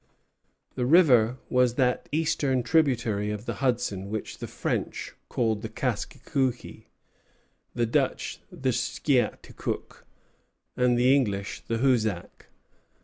The river was that eastern tributary of the Hudson which the French called the Kaské kouké, the Dutch the Schaticook, and the English the Hoosac.